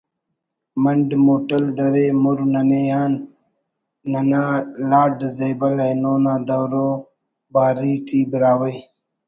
منڈ موٹل درے مُر ننے آن ننا لاڈ زیبل اینو نا درو باری ٹی براہوئی